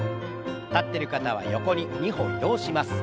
立ってる方は横に２歩移動します。